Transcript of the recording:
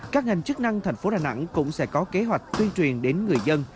các ngành chức năng thành phố đà nẵng cũng sẽ có kế hoạch tuyên truyền đến người dân